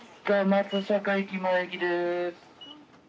松阪駅前行きです。